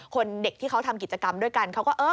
เด็กที่เขาทำกิจกรรมด้วยกันเขาก็เออ